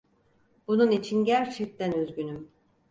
Bunun için gerçekten üzgünüm.